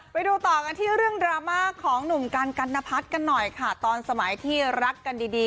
ไปดูต่อกันที่เรื่องดราม่าของหนุ่มกันกัณพัฒน์กันหน่อยค่ะตอนสมัยที่รักกันดีดี